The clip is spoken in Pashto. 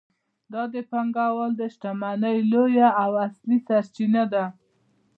دا د پانګوال د شتمنۍ لویه او اصلي سرچینه ده